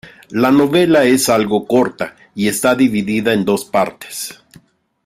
La novela es algo corta y está dividida en dos partes.